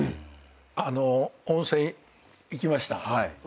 温泉行きました。